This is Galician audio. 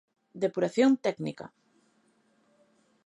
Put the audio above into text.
Depuración técnica.